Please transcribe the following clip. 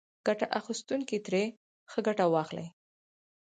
ګټه اخیستونکي ترې ښه ګټه واخلي.